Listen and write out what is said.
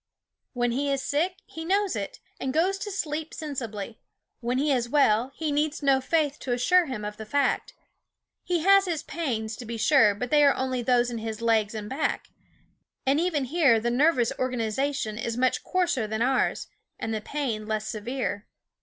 When he is sick he knows it, and goes to sleep sensibly; when he is well he needs no faith to assure him of the fact. He has his pains, to be sure, but they are only those in his legs and back ; and even here the nervous organization is much coarser than ours, and the pain less severe.